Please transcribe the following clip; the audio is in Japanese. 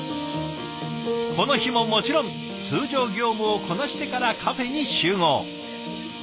この日ももちろん通常業務をこなしてからカフェに集合。